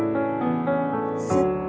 吸って。